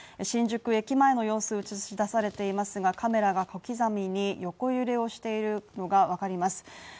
新宿駅前の様子が映しだされていますがカメラが小刻みに横揺れをしているのがわかります。